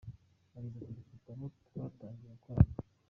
Yagize ati “Dufite abo twatangiye gukorana.